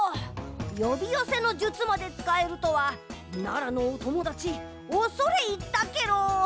よびよせの術までつかえるとは奈良のおともだちおそれいったケロ。